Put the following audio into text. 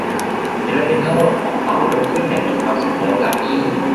ศิลปินทั้งหมดของเขาลุกขึ้นอย่างมีความสุขในโอกาสนี้